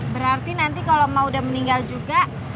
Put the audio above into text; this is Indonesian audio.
berarti nanti kalau mau udah meninggal juga